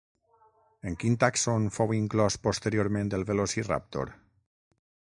En quin tàxon fou inclòs posteriorment el Velociraptor?